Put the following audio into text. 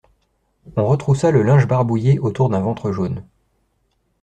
On retroussa le linge barbouillé autour d'un ventre jaune.